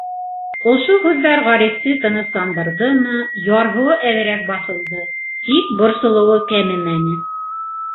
Ошо һүҙҙәр Ғарифты тынысландырҙымы, ярһыуы әҙерәк баҫылды, тик борсолоуы кәмемәне.